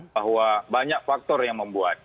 bahwa banyak faktor yang membuat